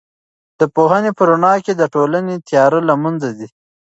د پوهنې په رڼا کې د ټولنې تیاره له منځه ځي.